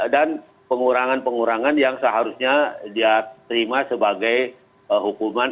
pengurangan pengurangan yang seharusnya dia terima sebagai hukuman